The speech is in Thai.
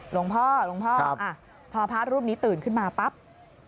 หลวงพ่อพอพระรูปนี้ตื่นขึ้นมาปั๊บครับ